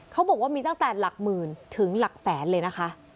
เขาบอกว่ามีตั้งแต่หลักหมื่นถึงหลักแสนเลยนะคะ